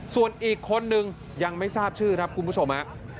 ส่วนอีกคนนึงยังไม่ทราบชื่อครับคุณผู้ชมฮะ